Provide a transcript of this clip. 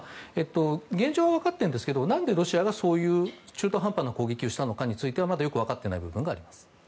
現状は分かっているんですが何でロシアがそういう中途半端な攻撃をしたかはまだよく分かっていないところがあります。